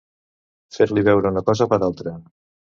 Fer-li veure una cosa per altra.